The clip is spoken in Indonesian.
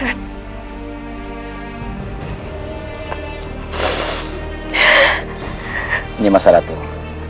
ini masalah tuh